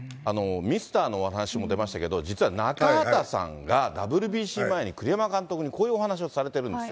ミスターのお話も出ましたけど、実は中畑さんがＷＢＣ前に、栗山監督にこういうお話をされてるんですよ。